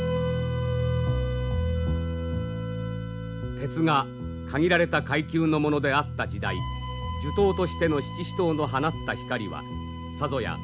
鉄が限られた階級のものであった時代呪刀としての七支刀の放った光はさぞや妖しく映ったに違いない。